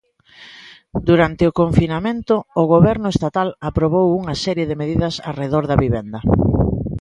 Durante o confinamento, o Goberno estatal aprobou unha serie de medidas arredor da vivenda.